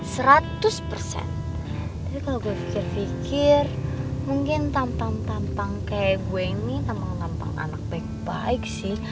jadi kalau gue berfikir fikir mungkin tampang tampang kayak gue ini tampang tampang anak baik baik sih